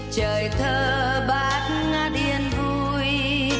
trời thơ bát ngát yên vui